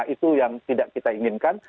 itu yang tidak kita inginkan